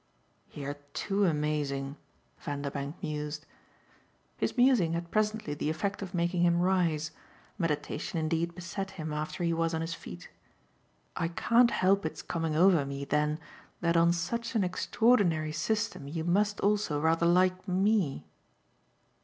"You're too amazing," Vanderbank mused. His musing had presently the effect of making him rise; meditation indeed beset him after he was on his feet. "I can't help its coming over me then that on such an extraordinary system you must also rather like ME."